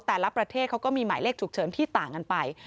แต่ละประเทศเขาก็มีหมายเลขฉุกเฉินที่ต่างกันไป